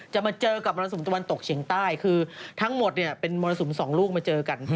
มาเจอกับมรสุมตะวันตกเฉียงใต้คือทั้งหมดเนี่ยเป็นมรสุมสองลูกมาเจอกัน